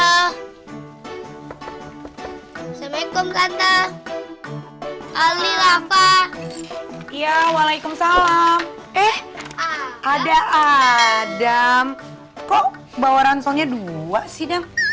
assalamualaikum tante ali lava ya waalaikumsalam eh ada adam kok bawa ransongnya dua sih dan